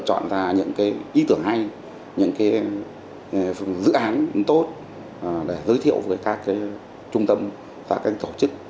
chọn ra những cái ý tưởng hay những cái dự án tốt để giới thiệu với các trung tâm các tổ chức